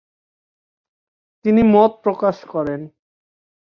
তিনি মত প্রকাশ করেন।